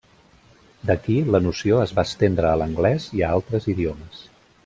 D'aquí la noció es va estendre a l'anglès i a altres idiomes.